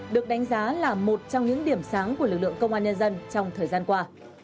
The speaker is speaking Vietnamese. được đánh giá là một trong những điểm sáng của lực lượng công an nhân dân trong thời gian qua